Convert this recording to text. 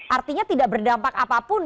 artinya tidak berdampak apapun